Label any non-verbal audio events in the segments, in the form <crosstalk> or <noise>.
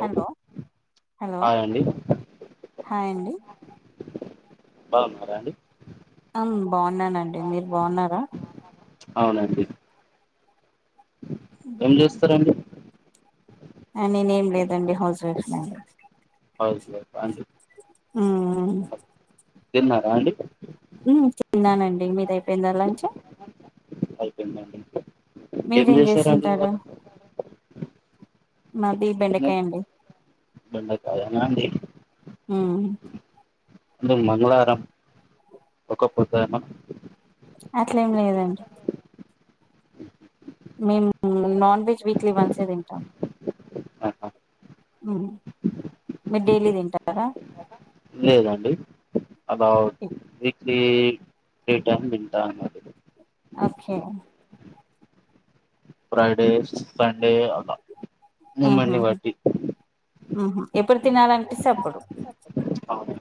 hello hello hi అండి hi అండి బావున్నారా అండి అం బావున్నానండి మీరు బావున్నారా అవునండి ఏం చేస్తరండి ఆ నేనేం లేదండి హౌస్ వైఫ్ నండి హౌస్ వైఫ్ ఆ అండి ఉమ్ తిన్నారా అండి ఊ తిన్నానండి మీది అయిపోయిందా లంచ్ అయిపోయిందండి ఏం మీరేం చేశారండి ఇవాళ చేస్తుంటారు మాది డిన్నర్ బెండకాయ అండి బెండకాయనా అండి ఊ అంటే మంగళారం ఒక్క పొద్దా ఏమన్నా అట్లేం లేదండి మేము నాన్ వెజ్ వీక్లీ వన్సే తింటాం అహ్హ ఉహు మీరు డైలీ తింటారా లేదండి అలా వీక్లీ ఫ్రీ టైమ్ తింటాను అది అకే ఫ్రైడే సండే అలా మూమెంట్ ఆహా ని బట్టి ఉహు ఎప్పుడు తినాలనిపిస్తే ఆప్పుడు అవును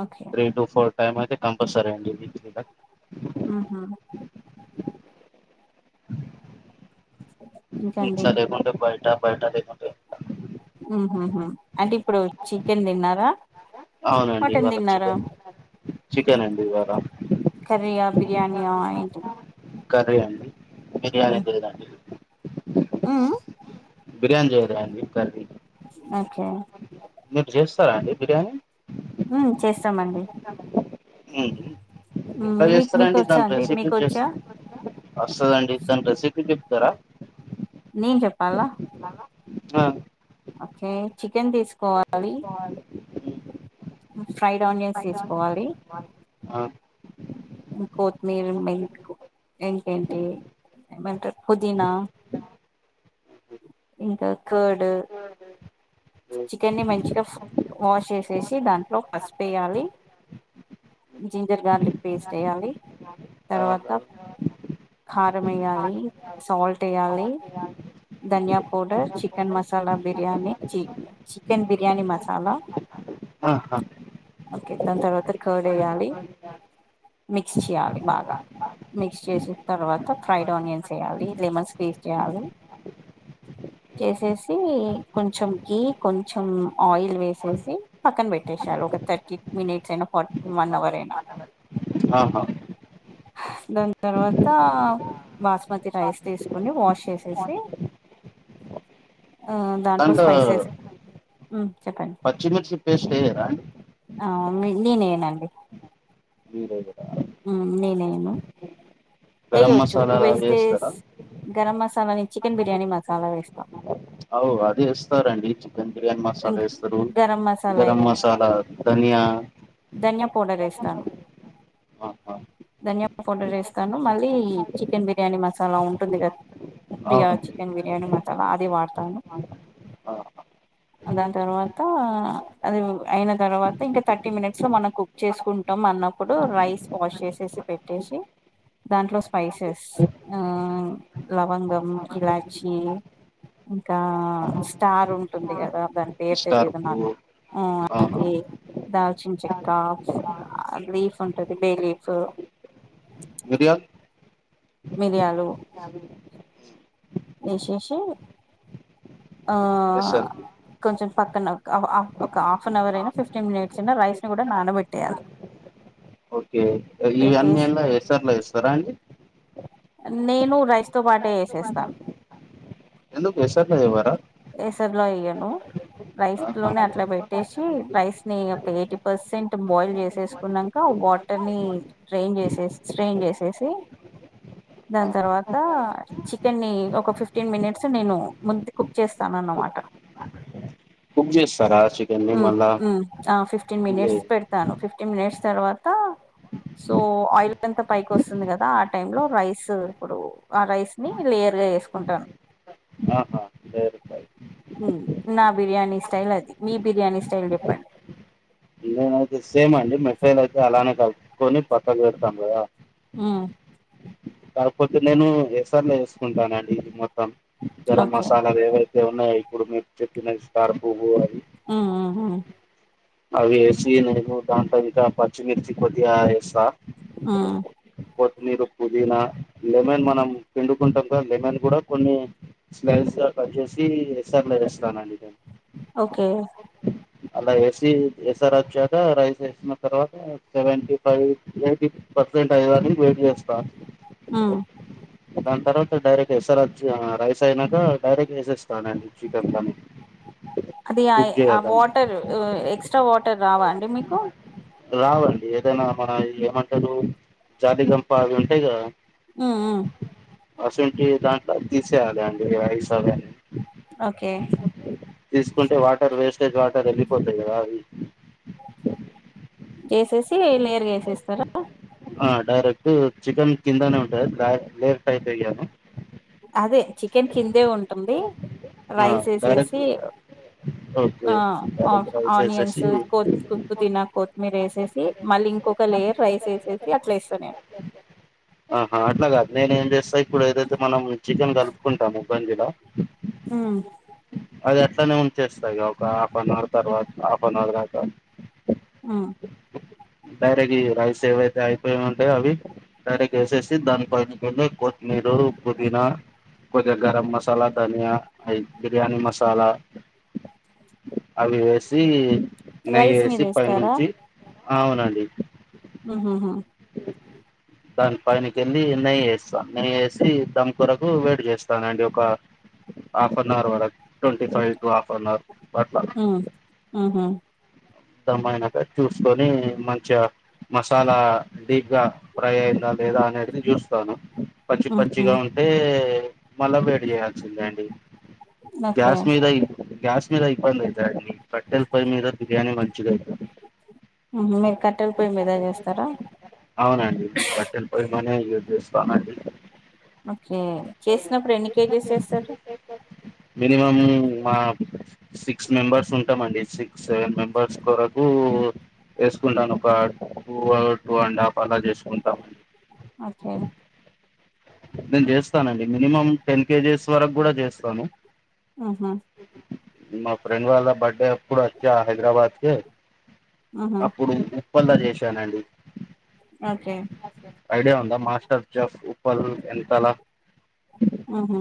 ఆఖి త్రీ టు ఫోర్ టైమ్ అయితే కంపల్సరీ అండి ఇగ ఉహు ఇంకాండి ఇంట్లో తేకుంటే బయట బయట లేకుంటే ఉహుహు అంటే ఇప్పుడు చికెన్ తిన్నారా అవునండి మటన్ ఇవాళ తిన్నారా చికెన్ చికెన్ అండి ఇవాళ కర్రీయా బిర్యానీయా ఏంటి కర్రీ అండి బిర్యానీ తెలిదండి ఉ బిర్యానీ చేయలే అండి కర్రీ ఓకే మీరు చేస్తారా అండి బిర్యానీ ఉ చేస్తామండి ఉ ఎట్లా మీకు చేస్తారూ మీకు అండి వచ్చా దాని రెసిపీ మీకు చేస్ వచ్చా వస్తదండి దాన్ని రెసిపీ చెప్తారా నేను చెప్పాల్ల ఆ ఓకే చికెన్ తీసుకోవాలి ఫ్రైడ్ ఆనియన్స్ తీసుకోవాలి ఆ కొత్మీర మెతీ ఇంకేంటి ఏమంటారు పుదీనా ఇంకా కార్డ్ చికెన్ ని మంచిగా వాష్ చేసేసి దాంట్లో పసుపు వేయాలి జింజర్ గార్లిక్ పేస్ట్ వేయాలి తర్వాత ఆ కారం వేయ్యాలి సాల్ట్ వేయాలి ధనియా పౌడర్ చికెన్ మసాలా బిర్యానీ చి చికెన్ బిర్యానీ మసాలా ఆహా ఓకే దాని తర్వాత కార్డ్ వేయాలి మిక్స్ చేయాలి బాగా మిక్స్ చేసిన తర్వాత ఫ్రైడ్ ఆనియన్స్ వేయాలి లెమన్స్ క్విజ్ చేయాలి చేసేసి కొంచెం గీ కొంచెం ఆయిల్ వేసేసి పక్కన పెట్టేసేయాలి ఒక థర్టీ మినిట్స్ అయినా ఫార్ వన్ అవర్ అయినా ఆహా దాని తర్వాత బాస్మతి రైస్ తీసుకోని వాష్ చేసేసి <inaudible> ఆ దాంట్లో స్పైసెస్ హు చెప్పండి పచ్చిమిర్చి పేస్ట్ వేయరా అండి ఆ నేను వేయనండి మీరు వెయ్యరా ఉ నేను వేయను గరం వేయ్యొచ్చు మసాలా వేస్తే వేస్తారా గరం మసాలాని చికెన్ బిర్యానీ మసాలా వేస్తాం అవు అదే ఎస్తారండి చికెన్ బిర్యానీ మసాలా వేస్తారు గరం మసాలా గరం మసాలా ధనియా ధానియా పౌడర్ వేస్తాను ఆహా ధనియా పౌడర్ వేస్తాను మళ్ళీ చికెన్ బిర్యానీ మసాలా ఉంటుంది కదా ప్రియా అవునండి చికెన్ బిర్యానీ మసాలా అది వాడతాను ఆహా దాని తర్వాత అది అయిన తర్వాత ఇంకా థర్టీ మినిట్స్ లో మనకు చేసుకుంటాం అన్నప్పుడు రైస్ వాష్ చేసేసి పెట్టేసి దాంట్లో స్పైసెస్ లవంగం ఇలాచి ఇంకా స్టార్ ఉంటుంది కదా దాని పేరు స్టార్ తెలియదు నాకు పువ్వు ఆ ఆహా ఆది దాల్చిన చెక్క ఆ లీఫ్ ఉంటది బే లీఫ్ మిరియాలు అ వేసేసి ఆ ఎస్ సార్ కొంచెం పక్కన ఒక హాఫ్ అన్ అవర్ అయినా ఫిఫ్టీన్ మినిట్స్ అయినా రైస్ ని కూడా నానబెట్టేయాలి ఓకే ఇవన్నీ పెట్టేసి ఎలా ఎస్ఆర్లో వేస్తారా అండి నేను రైస్ తో పాటే వేసేస్తా ఎందుకు ఎసార్ల ఎవారా ఎసర్లు వేయను రైస్ ఆహా లోనే అట్లా పెట్టేసి రైస్ ని ఒక ఎయిటీ పర్సెంట్ బాయిల్ చేసేసు కున్నాక వాటర్ ని డ్రైన్ చేసే స్ట్రైన్ చేసేసి దాని ఆ తర్వాత చికెన్ ని ఒక ఫిఫ్టీన్ మినిట్స్ నేను ముందు కుక్ చేస్తానన్నమాట కుక్ చేస్తారా చికెన్ ఆ ఫిఫ్టీన్ మినిట్స్ పెడతాను ఆ ఫిఫ్టీన్ మినిట్స్ తర్వాత సో ఆయిల్ ఎంత పైకి వస్తుంది కదా ఆ టైం లో రైస్ ఇప్పుడు ఆ రైస్ ని లేయర్ గా వేసుకుంటాను లేయర్ పై నా బిర్యానీ స్టైల్ అది మీ బిర్యానీ స్టైల్ చెప్పండి అయితే సేమ్ అండి మిఠైలు అయితే అలానే కలుపుకొని పక్కకు పెడతాం కదా ఉ కాకపోతే నేను ఏసార్లు వేసుకుంటానండి మొత్తం గరం ఓకే మసాలాలు ఏవైతే ఉన్నాయి ఇప్పుడు మీరు చెప్పినది స్టార్ పువ్వు అది ఆ ఆ అవి వేసి నేను దాంట్లో ఇంకా పచ్చిమిర్చి కొద్దిగా వేస్తా ఆ కొత్మీరూ పుదీనా లెమన్ మనం పిండుకుంటాం కద లెమన్ కూడా కొన్ని స్మెల్స్ గా కట్ చేసి ఎసర్లే వస్తారనండి నేను ఓకే అలా ఎసి ఎస్సర్ వచ్చాక రైస్ ఎసిన తర్వాత సెవెటి ఫైవ్ ఎయిటీ పర్సెంట్ అఐనికి వెయిట్ చేస్తాను ఆ దాని తర్వాత డైరెక్ట్ ఎస్ఆర్హెచ్ రైస్ అయినాక డైరెక్ట్ వేసేస్తానండి చికెన్ కానీ <inaudible> అది ఆ చేయదాన్ని వాటర్ ఎక్స్ట్రా వాటర్ రావా అండి మీకు రావండి ఏదైనా మన ఏమంటారు జాతి గంప అవి ఉంటాయి కదా ఉ ఉ అసంటి దాంట్లో తీసేయాలి అండి ఐస్ అవని ఓకే తీసుకుంటే వాటర్ వేస్టేజ్ వాటర్ వెళ్ళిపోతాయి కదా అవి చేసేసి నేరుగా వేసేస్తారా ఆ డైరెక్ట్ చికెన్ కిందనే ఉంటది రాట్ లేట్ అయితే అయ్యాను అదే చికెన్ కిందే ఉంటుంది ఆ రైస్ డైరెక్ట్ ఏసేసి ఓకే ఆ ఆ దాన్ని ట్రై చేసేసి ఆనియన్స్ కొత్ పుదీనా, కొత్తిమీర వేసేసి మళ్ళీ ఇంకొక లేయర్ రైస్ వేసేసి అట్లా ఏస్తా నేను ఆహా అట్ల కాదు నేను ఏం చేస్తా ఇప్పుడు ఏదైతే మనం చికెన్ కలుపుకుంటాము గంజిలో ఉ అది అట్లనే ఉంచేస్తా ఒక హాఫ్ అన్ అవర్ తర్వాత హాఫ్ అన్ అవర్ దాక ఉ డైరెక్ రైస్ ఏవైతే అయిపోయి ఉంటాయ అవి టరకొసేసి దాని పైన కొత్మీరు, పుదీనా కొది గరం మసాలా ధనియా అవి బిర్యానీ మసాలా అవేసి రైస్ మీద నెయ్యేసి పై వేస్తారా నుంచి ఆవునండి ఉహు హు దాని పైనకెళ్ళి నెయ్యి ఏస్తా నెయ్యేసి దమ్కూరకు వేడి చేస్తానండి ఒక హాఫ్ అన్ అవర్ వర twenty five to half an hour వరకు ఉమ్ ఉహు ధమ్ అయినాక చూసుకొని మంచిగా మసాలా డీప్ గా ఫ్రై అయిందా లేదా అనేది చూస్తాను పచ్చి ఉహు పచ్చిగా ఉంటే మళ్ళా వేడి చేయాల్సిందే అండి ఓకే గ్యాస్ మీద గ్యాస్ మీద ఇబ్బంది అయితదండి కట్టెల పై మీద బిర్యాని మంచిగయితది మీరు కట్టెల పొయ్యి మీద చేస్తారా అవునండి కట్టేల పోయ్యి లోనే యూజ్ చేస్తానండి ఓకే చేసినప్పుడు ఎన్ని కేజీస్ చేస్తారు మినిమమ్ మా సిక్స్ మెంబర్స్ ఉంటామండి సిక్స్ సెవెన్ మెంబర్స్ కొరకు ఏసుకుంటాను ఒక టూ టూ అండ్ హాఫ్ అలా చేసుకుంటాం ఓకే నేను చేస్తానండి మినిమం టెన్ కేజీస్ వరకు కూడా చేస్తాను ఉహు మా ఫ్రెండ్ వాళ్ళ బర్త్డే అప్పుడు వచ్చా హైదరాబాద్ కి ఉహు అప్పుడు ఉప్పల్ల చేశానండి ఓకే ఐడియా ఉందా మాస్టర్ చెఫ్ ఉప్పల్ ఎంతలా ఉహు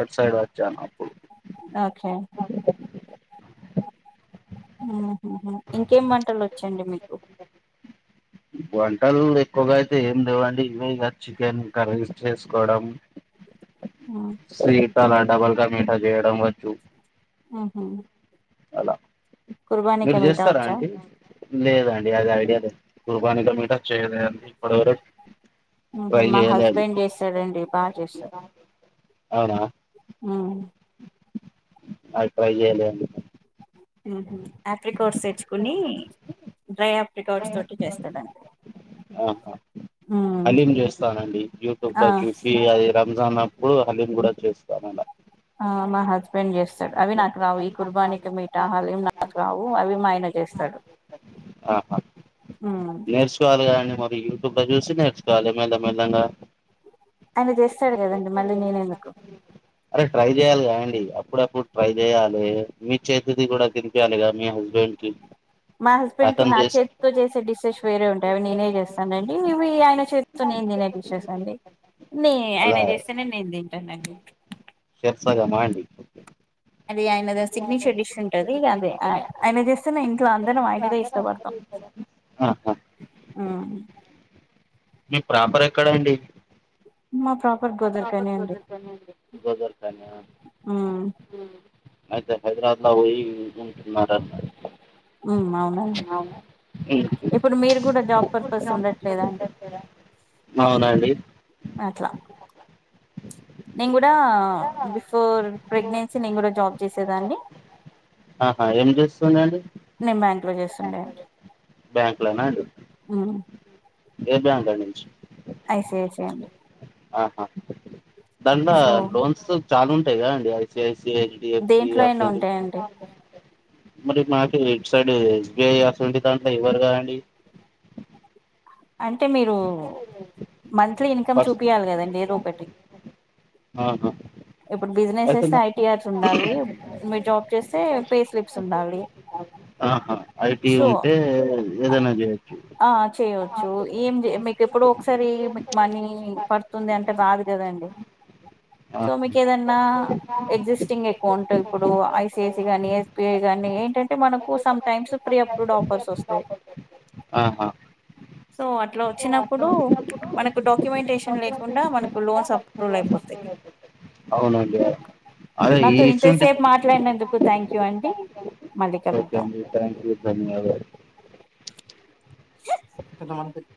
అటు సైడ్ వచ్చాను అప్పుడు ఓకే ఉహు హు ఇంకేం వంటలు వచ్చండి మీకు అ వంటలు ఎక్కువగా అయితే ఏమి లేవండి ఇవే ఇ చికెన్ కర్రీస్ చేసుకోవడం ఉ సీట్ అలా డబల్ కా మీఠా చేయడం వచ్చు ఉహు అలా కుర్బానీ క మీరు మీఠా చేస్తారా వచ్చా అండి లేదండి అది ఐడియా లే కుర్బాని కా మీట చేయలేండి ఇప్పటి వర మా హస్బెండ్ చేస్తాడండి బాగా చేస్తాడు అవునా ఉ అవి ట్రై చేయలేదండి ఇంక ఉహు ఆప్రికాట్స్ తెచ్చుకుని డ్రై ఆప్రికాట్స్ తోటి చేస్తాడండి ఆహా ఉమ్ హలీం చేస్తానండి యూట్యూబ్ ఆ లో చూసి అది రంజాన్ అప్పుడు హలీం కూడా చేస్తా ఆ మా హస్ బెండ్ చేస్తాడు అవి నాకు రావు ఈ కుర్బానీక మీఠా హలీం నాకు రావు అవి ఆయన చేస్తాడు ఆహా ఉ నేర్చుకోవాలి కదండి మరి యూట్యూబ్ లో చూసి నేర్చుకోవలి మెల్లమెల్లంగా ఆయన చేస్తాడు కదండి మళ్ళీ నేను ఎందుకు అరే ట్రై చేయాలి కదండి అప్ ప్పుడు అప్పుడు ట్రై చేయాలి మీ చేతిది కూడా తినిపియాలిగా మీ హస్బెండ్ కి మా హస్బెండ్ కి అతను నా చేసి చేతితో చేసే డిషెస్ వేరే ఉంటాయి అవి నేనే చేస్తానండి ఇవి ఆయన చే తో నేను తినేపిచ్చేసా అండి నీ ఆయన అలా చేస్తేనే నేను తింటానండి చేరి సగమా అండి అది ఆయనది సిగ్నేచర్ డిష్ ఉంటది అదే ఆయన చేస్తేనే ఇంట్లో అందరం ఆయనదే ఇష్టపడతాం <unintelligible> ఆహ ఆ మీ ప్రాపర్ ఎక్కడండి మా ప్ర మా ప్రాపర్ గోదావరిఖని అండి గోదావరిఖనా ఉమ్ ఉ అయితే హైదరాబాద్ లో పోయి ఉంటున్నారనమాట ఉ అవునండి ఇప్పుడు మీరు గుడా జాబ్ పర్పస్ ఉండట్లేదా అండి అవునండి అట్లా నేను గూడా ఆ బిఫోర్ ప్రెగ్నెన్సీ నేను కూడా జాబ్ చేసేదాన్ని ఆహా ఏం చేస్తుండండి నేను బ్యాంక్ లో బ్యాంక్ చేస్తుండే లో చేస్తాడు బ్యాంక్ లోనా అండి ఉ ఏ బ్యాంక నుంచి ఐసిఐసిఐ అండి ఆహా దాంట్లో సో లోన్స్ చానా ఉంటాయి కదండి ఐసిఐసిఐ టి ఫ్ సి దేంట్లో అయినా అసోంటిది ఉంటాయండి మరి మాకి ఇట్ సైడ్ ఎస్బిఐ అసొంటి దాంట్ల ఎవ్వరుగా అండి అంటే మీరు మంత్లీ ఇన్కమ్ పర్స్ చూపియాలి కదండి ఏదో ఒకటి అవును ఇప్పుడు బిజినెస్ ఎస్తే ఐటిఆర్స్ ఉండాలి మీరు జాబ్ చేస్తే పే స్లిప్స్ ఉండాలి ఆహా ఐటి సో ఉంటే ఏదైనా చేయచ్చు ఆ చెయో చో ఏం ది మీకు ఎప్పుడో ఒకసారి మీక్ మనీ పడుతుంది అంటే బాద్ గదండి సో ఆహా మికెదన్నా ఎగ్జిస్టింగ్ అకౌంట్ ఇప్పుడు ఐసిఐసి గాని ఎస్బిఐ గాని ఏంటంటే మనకు సమ్ టైమ్స్ ప్రి డ్ ఆఫర్స్ వస్తయ్ ఆహా సో అట్లా వచ్చినప్పుడు మనకు డాక్యుమెంటేషన్ లేకుండా మనకు లోన్స ప్రూవల్ అయిపోతయ్ అవునండి అదే ఈ నాతో ఇసుంటి ఇంతసేపు మాట్లాడినందుకు థ్యాంక్ యూ అండి మళ్ళీ కలు థాంక్యు థాంక్ యూ ధన్యవాద <unintelligible>